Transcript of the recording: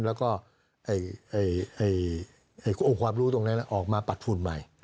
แล้วก็องค์ความรู้ตรงนั้นออกมาปัดฝุ่นใหม่